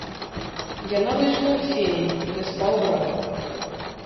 Яна выйшла ў сені, дзе спаў брат.